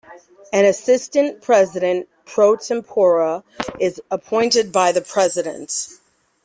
An assistant president pro tempore is appointed by the President.